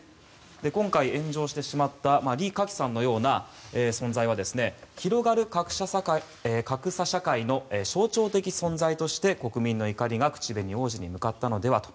今回、炎上してしまったリ・カキさんのような存在は広がる格差社会の象徴的存在として国民の怒りが口紅王子に向かったのではと。